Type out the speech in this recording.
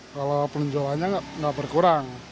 kalau penjualannya gak berkurang